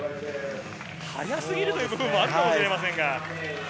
早過ぎるという部分もあるかもしれません。